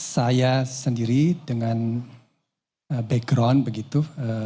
saya sendiri dengan background begitu